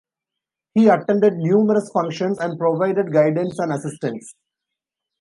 He attended numerous functions and provided guidance and assistance.